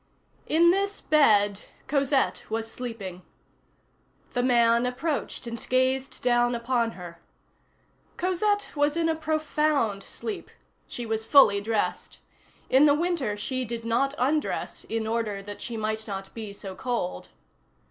In this bed Cosette was sleeping. The man approached and gazed down upon her. Cosette was in a profound sleep; she was fully dressed. In the winter she did not undress, in order that she might not be so cold.